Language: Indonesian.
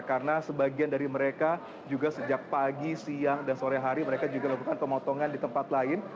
karena sebagian dari mereka juga sejak pagi siang dan sore hari mereka juga lakukan pemotongan di tempat lain